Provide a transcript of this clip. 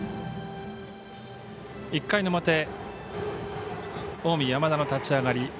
１回の表近江、山田の立ち上がり。